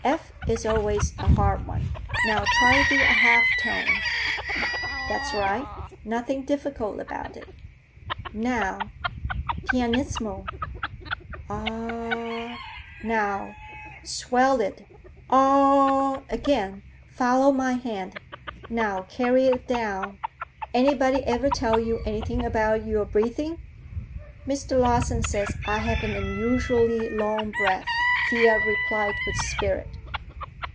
F is always a hard one.—Now, try the half tone.—That's right, nothing difficult about it.—Now, pianissimo, ah—ah. Now, swell it, ah—ah.—Again, follow my hand.—Now, carry it down.—Anybody ever tell you anything about your breathing?" "Mr. Larsen says I have an unusually long breath," Thea replied with spirit.